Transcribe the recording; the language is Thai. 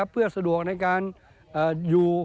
เพื่อสะดวกในการอยู่